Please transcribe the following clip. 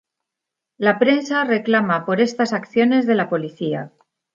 La prensa reclama por estas acciones de la policía.